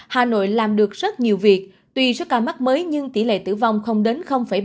hà nội làm được rất nhiều việc tuy số ca mắc mới nhưng tỷ lệ tử vong không đến ba mươi